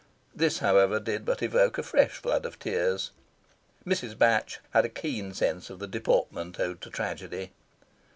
This, however, did but evoke a fresh flood of tears. Mrs. Batch had a keen sense of the deportment owed to tragedy.